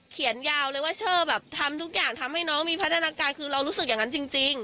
ยาวเลยว่าเชอร์แบบทำทุกอย่างทำให้น้องมีพัฒนาการคือเรารู้สึกอย่างนั้นจริง